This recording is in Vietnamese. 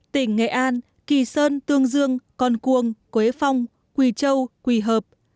tỉnh nghệ an kỳ sơn tương dương con cuông quế phong quỳ châu quỳ hợp